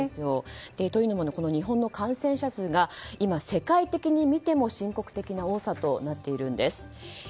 というのも日本の感染者数が今、世界的に見ても深刻的な多さとなっているんです。